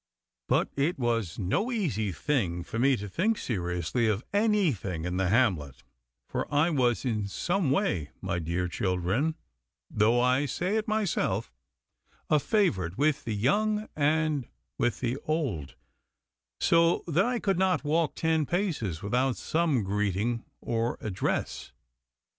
But it was no easy thing for me to think seriously of anything in the hamlet; for I was in some way, my dear children, though I say it myself, a favourite with the young and with the old, so that I could not walk ten paces without some greeting or address.